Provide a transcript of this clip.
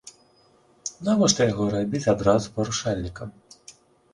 Навошта яго рабіць адразу парушальнікам?